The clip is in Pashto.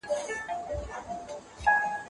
مدیتیشن د ذهن د ارامښت ترټولو غوره لاره ده.